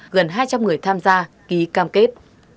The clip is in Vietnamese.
gần hai trăm linh người tham gia ký cam kết